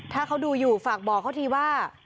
ถ้าเขาดูอยู่ฝากบอกเขาทีว่า